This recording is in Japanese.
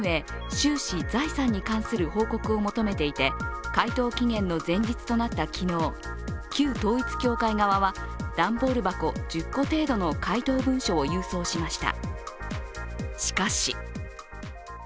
・収支・財産に関する報告を求めていて回答期限の前日となった昨日、旧統一教会側は、段ボール箱１０個程度の回答文書を郵送しました。